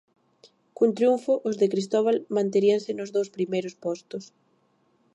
Cun triunfo, os de Cristóbal manteríanse nos dous primeiros postos.